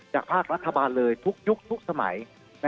ภาครัฐบาลเลยทุกยุคทุกสมัย